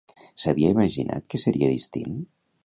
S'havia imaginat que seria distint?